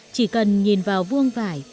chỉ cần nhìn vào vuông vải